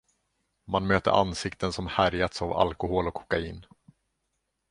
Man möter ansikten som härjats av alkohol och kokain.